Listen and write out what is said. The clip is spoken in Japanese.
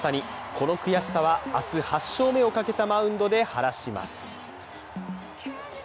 この悔しさは明日８勝目をかけたマウンドで晴らします。